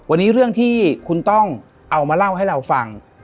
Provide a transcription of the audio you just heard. วันนี้เรื่องที่คุณต้องเอามาเล่าให้เราฟัง